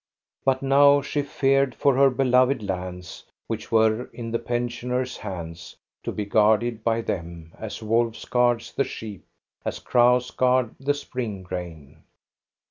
But now she feared for her beloved lands, which were in the pensioners' hands to be guarded by them, as wolves guard the sheep, as crows guard the spring grain.